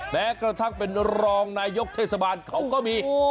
แม้กระทั่งเป็นรองนายกเทศบาลเขาก็มี